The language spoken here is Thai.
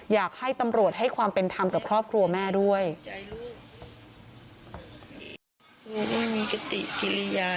อยากให้ตำรวจให้ความเป็นธรรมกับครอบครัวแม่ด้วย